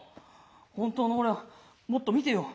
本当の俺をもっと見てよ。